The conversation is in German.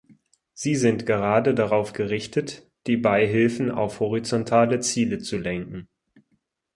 Sie sind gerade darauf gerichtet, die Beihilfen auf horizontale Ziele zu lenken.